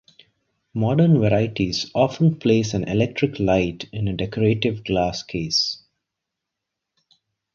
Modern varieties often place an electric light in a decorative glass case.